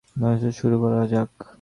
ধ্বংসযজ্ঞ শুরু করা যাক।